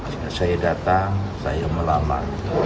saya datang saya melamar